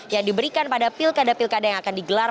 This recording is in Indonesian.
yang diberikan pada pilkada pilkada yang akan digelar